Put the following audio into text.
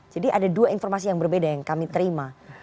jadi ada dua informasi yang berbeda yang kami terima